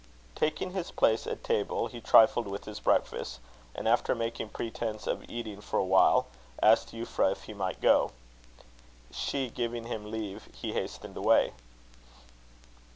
Taking his place at table, he trifled with his breakfast; and after making pretence of eating for a while, asked Euphra if he might go. She giving him leave, he hastened away.